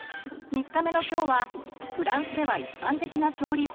３日目のきょうはフランスでは一般的な調理法